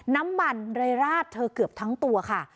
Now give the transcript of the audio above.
น้ำมันเลยราดเธอเกือบทั้งตัวค่ะ